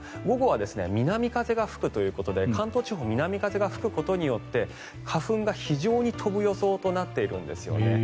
午後は南風が吹くということで関東地方南風が吹くことによって花粉が非常に飛ぶ予想となっているんですよね。